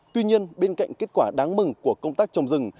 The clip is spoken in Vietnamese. tuy nhiên bên cạnh kết quả đáng mừng của công tác trồng rừng